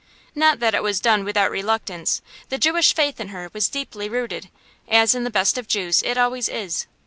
Not that it was done without reluctance; the Jewish faith in her was deeply rooted, as in the best of Jews it always is.